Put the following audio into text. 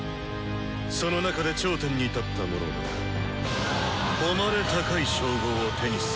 その中で「頂点」に立った者は誉れ高い称号を手にするのだ。